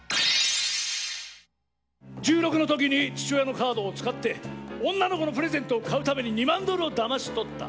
１６の時に父親のカードを使って女の子のプレゼントを買うために２万ドルをだまし取った。